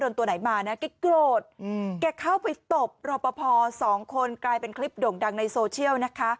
ตัวไหนมานะแกโกรธแกเข้าไปตบรอปภสองคนกลายเป็นคลิปโด่งดังในโซเชียลนะคะ